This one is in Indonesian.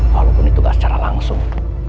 walaupun itu tidak secara langsung